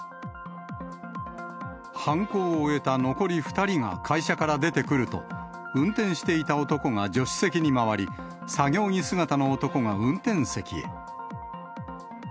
犯行を終えた残り２人が会社から出てくると、運転していた男が助手席に回り、作業着姿の男が運転席へ。